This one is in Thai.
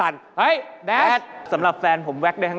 แต่แว๊กได้